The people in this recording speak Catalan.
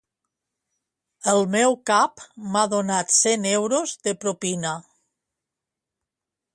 El meu cap m'ha donat cent euros de propina